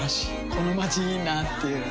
このまちいいなぁっていう